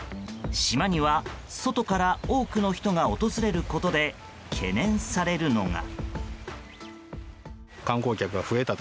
島には外から多くの人が訪れることで懸念されるのが。